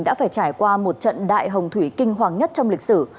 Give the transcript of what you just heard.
đã phải trải qua một trận đại hồng thủy kinh hoàng nhất trong lịch sử